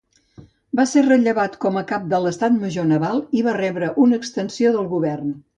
Va ser rellevat com a Cap de l'Estat Major Naval i va rebre una extensió del govern.